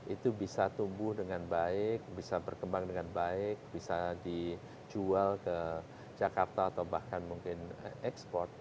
itu bisa tumbuh dengan baik bisa berkembang dengan baik bisa dijual ke jakarta atau bahkan mungkin ekspor